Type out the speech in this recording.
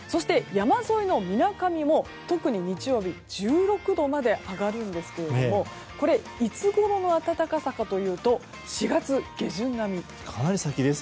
山沿いのみなかみも特に日曜日１６度まで上がるんですけどもこれがいつ頃の暖かさかというと４月下旬並み。